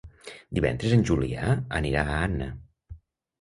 Divendres en Julià anirà a Anna.